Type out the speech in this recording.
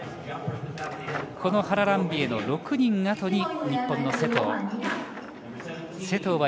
このハラランビエの６人あとに日本の勢藤。